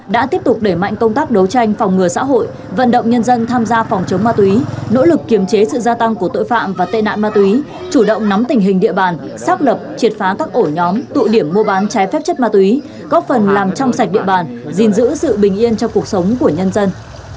đã tiếp tục đẩy mạnh công tác đấu tranh phòng ngừa xã hội vận động nhân dân tham gia phòng chống ma túy nỗ lực kiềm chế sự gia tăng của tội phạm và tệ nạn ma túy chủ động nắm tình hình địa bàn xác lập triệt phá các ổ nhóm tụ điểm mua bán trái phép chất ma túy góp phần làm trong sạch địa bàn gìn giữ sự bình yên cho cuộc sống của nhân dân